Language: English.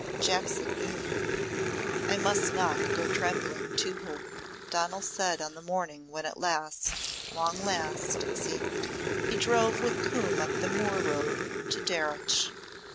Jackson knew!" "I must not go trembling to her," Donal said on the morning when at last long last, it seemed he drove with Coombe up the moor road to Darreuch.